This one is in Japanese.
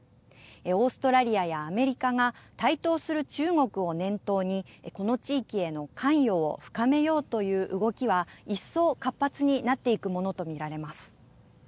オーストラリアやアメリカが台頭する中国を念頭にこの地域への関与を深めようという動きは一層、活発になっていくものと見られます。